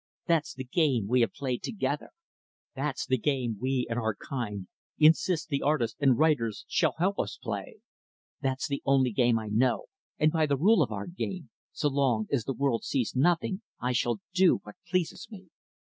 That's the game we have played together. That's the game we and our kind insist the artists and writers shall help us play. That's the only game I know, and, by the rule of our game, so long as the world sees nothing, I shall do what pleases me.